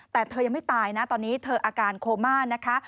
แต่เธอยังไม่ตายนะตอนนี้เธออาการโคม่านะคะ